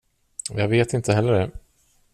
Jag vet inte heller det.